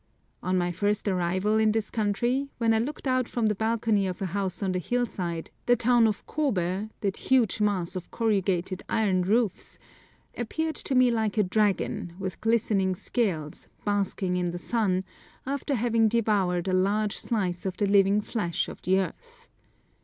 On my first arrival in this country, when I looked out from the balcony of a house on the hillside, the town of Kobe, that huge mass of corrugated iron roofs, appeared to me like a dragon, with glistening scales, basking in the sun, after having devoured a large slice of the living flesh of the earth.